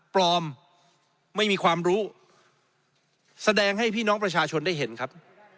ปลอมไม่มีความรู้แสดงให้พี่น้องประชาชนได้เห็นครับ